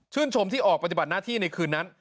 ชมที่ออกปฏิบัติหน้าที่ในคืนนั้น